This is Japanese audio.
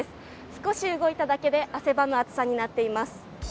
少し動いただけで汗ばむ暑さになっています。